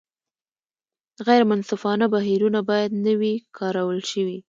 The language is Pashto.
غیر منصفانه بهیرونه باید نه وي کارول شوي.